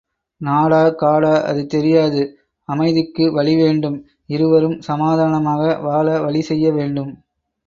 நாடா காடா அது தெரியாது அமைதிக்கு வழி வேண்டும் இருவரும் சமாதானமாக வாழ வழி செய்ய வேண்டும்.